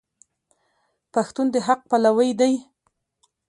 پښتون د حق پلوی دی.